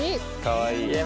かわいい。